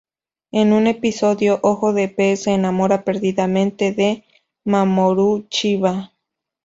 En un episodio, Ojo de Pez se enamora perdidamente de Mamoru Chiba.